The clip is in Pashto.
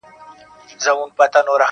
یار اوسېږمه په ښار نا پرسان کي.